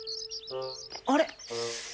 あれ？